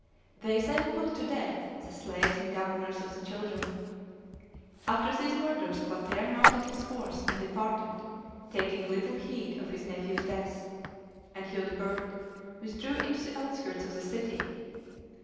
They then put to death the slaves and governors of the children. After these murders Clotaire mounted his horse and departed, taking little heed of his nephew's death; and Childebert withdrew into the outskirts of the city.